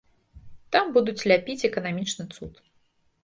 Там будуць ляпіць эканамічны цуд.